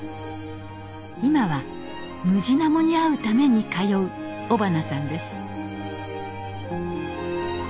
今はムジナモに会うために通う尾花さんです。